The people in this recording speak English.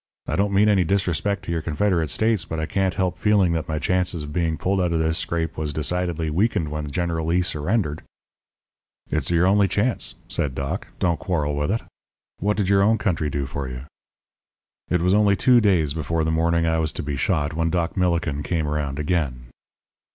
I don't mean any disrespect to your Confederate States, but I can't help feeling that my chances of being pulled out of this scrape was decidedly weakened when General Lee surrendered.' "'It's your only chance,' said Doc; 'don't quarrel with it. What did your own country do for you?' "It was only two days before the morning I was to be shot, when Doc Millikin came around again.